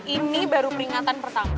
ini baru peringatan pertama